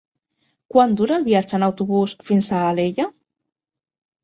Quant dura el viatge en autobús fins a Alella?